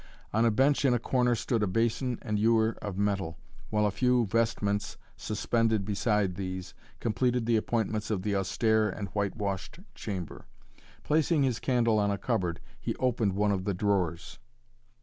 On a bench in a corner stood a basin and ewer of metal, while a few vestments, suspended beside these, completed the appointments of the austere and white washed chamber. Placing his candle on a cupboard, he opened one of the drawers.